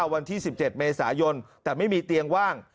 วันที่๑๗เมษายนแต่ไม่มีเตียงว่าง